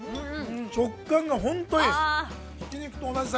食感が本当にいい。